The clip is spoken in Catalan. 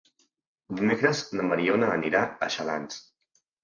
Dimecres na Mariona anirà a Xalans.